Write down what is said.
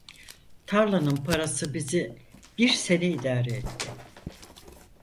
Tarlanın parası bizi bir sene idare etti.